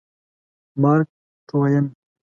مارک ټواین